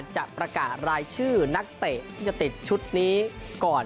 จะประกาศรายชื่อนักเตะที่จะติดชุดนี้ก่อน